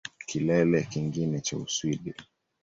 Kilele kingine cha Uswidi